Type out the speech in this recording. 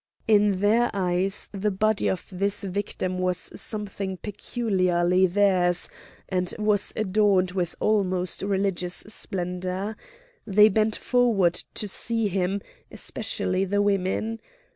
In their eyes the body of this victim was something peculiarly theirs, and was adorned with almost religious splendour. They bent forward to see him, especially the women.